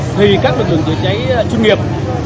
thì các lực lượng chữa cháy chuyên nghiệp